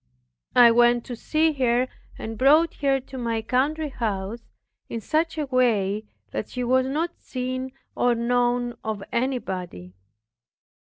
I went to meet her, and brought her to my countryhouse, in such a way that she was not seen or known of anybody.